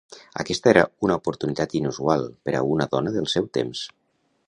Aquesta era una oportunitat inusual per a una dona del seu temps.